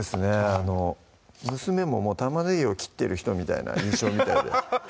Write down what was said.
あの娘も玉ねぎを切ってる人みたいな印象みたいでハハハ